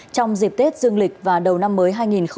trong dịp tết dương lịch và đầu năm mới hai nghìn hai mươi